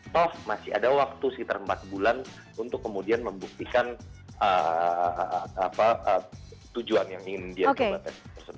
toh masih ada waktu sekitar empat bulan untuk kemudian membuktikan tujuan yang ingin dia coba tes